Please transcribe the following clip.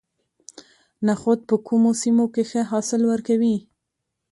نخود په کومو سیمو کې ښه حاصل ورکوي؟